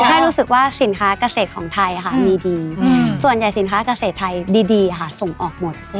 ให้รู้สึกว่าสินค้าเกษตรของไทยมีดีส่วนใหญ่สินค้าเกษตรไทยดีส่งออกหมด